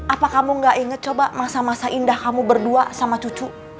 apa kamu gak ingat coba masa masa indah kamu berdua sama cucu